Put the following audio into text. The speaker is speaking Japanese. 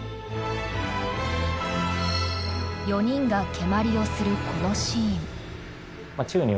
４人が蹴鞠をするこのシーン。